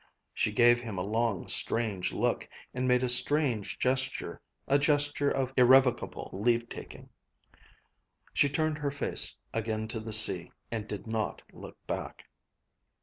She gave him a long strange look, and made a strange gesture, a gesture of irrevocable leave taking. She turned her face again to the sea, and did not look back.